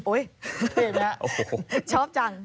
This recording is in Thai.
โอ้ยเท่นแหละชอบจัง